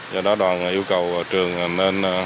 do đó đoàn yêu cầu trường nên